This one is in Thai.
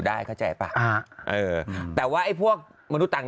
ดำเนินคดีต่อไปนั่นเองครับ